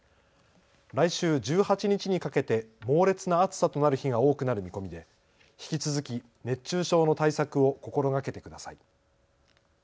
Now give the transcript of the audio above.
来週１８日にかけて猛烈な暑さとなる日が多くなる見込みで引き続き熱中症の対策を心がけてください。